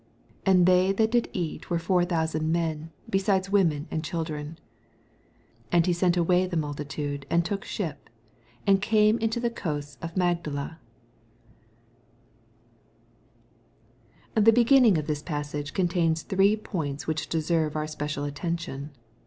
88 And they that did eat were four thousand men, beside women and children. 89 And he sent away the multitude, and took ship, and oame into the ooasts of Magnala. The beginning of this passage contains three points which deserve our special attention.